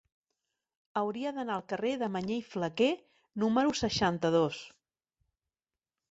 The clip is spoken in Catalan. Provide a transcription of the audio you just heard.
Hauria d'anar al carrer de Mañé i Flaquer número seixanta-dos.